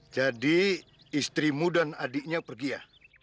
jadi istrimu dan adiknya pergi ya